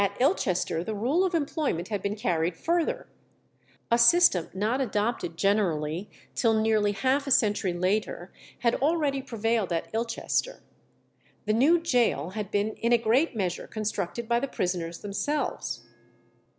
At Ilchester the rule of employment had been carried further. A system not adopted generally till nearly half a century later had already prevailed at Ilchester. The new gaol had been in a great measure constructed by the prisoners themselves.